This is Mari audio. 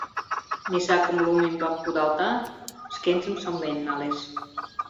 Мешакым лум ӱмбак кудалта, шкенжым шымлен налеш.